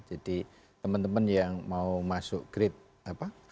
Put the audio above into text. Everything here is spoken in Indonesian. jadi teman teman yang mau masuk grade apa